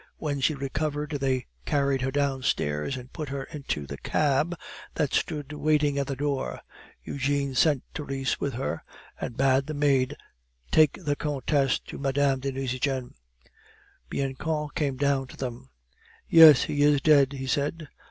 When she recovered they carried her downstairs, and put her into the cab that stood waiting at the door. Eugene sent Therese with her, and bade the maid take the Countess to Mme. de Nucingen. Bianchon came down to them. "Yes, he is dead," he said.